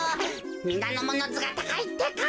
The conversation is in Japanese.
みなのものずがたかいってか。ははぁ。